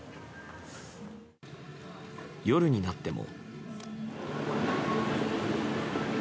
夜になっても。